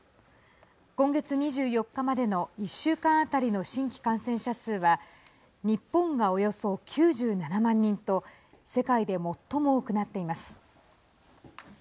今月２４日までの１週間当たりの新規感染者数は日本が、およそ９７万人と世界で最も多くなっています。